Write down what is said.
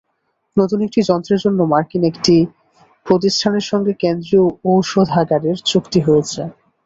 নতুন একটি যন্ত্রের জন্য মার্কিন একটি প্রতিষ্ঠানের সঙ্গে কেন্দ্রীয় ঔষধাগারের চুক্তি হয়েছে।